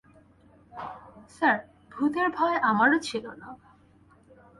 Sir, ভূতের ভয় আমারো ছিল না।